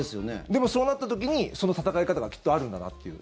でも、そうなった時にその戦い方がきっとあるんだなという。